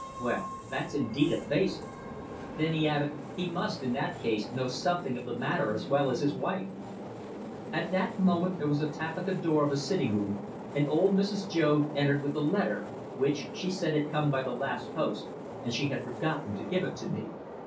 "Well, that's indeed a facer!" Then he added: "He must, in that case, know something of the matter as well as his wife." At that moment there was a tap at the door of the sitting room, and old Mrs. Joad entered with a letter which, she said, had come by the last post and she had forgotten to give it to me.